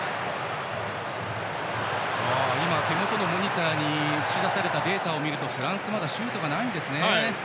手元のモニターに映し出されたデータを見るとフランスはまだシュートがないんですね。